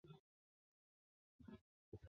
一级演员。